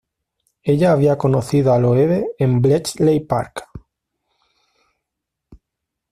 Ella había conocido a Loewe en Bletchley Park.